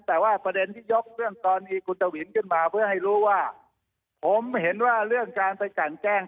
แต่ว่าประเด็นที่ยกเรื่องกรณีคุณทวินขึ้นมาเพื่อให้รู้ว่าผมเห็นว่าเรื่องการไปกันแกล้ง